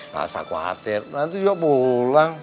gak usah khawatir nanti juga pulang